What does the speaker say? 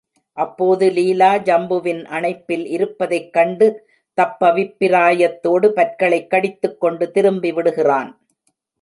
அப்போது லீலா ஜம்புவின் அணைப்பில் இருப்பதைக் கண்டு தப்பபிப்ராயத்தோடு பற்களைக் கடித்துக்கொண்டு திரும்பி விடுகிறான்.